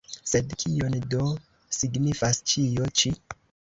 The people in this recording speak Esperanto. Sed kion do signifas ĉio ĉi?